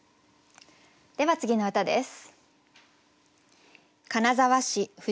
では次の歌です。